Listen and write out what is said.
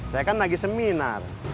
saya kan lagi seminar